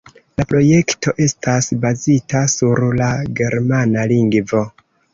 La projekto estas bazita sur la germana lingvo.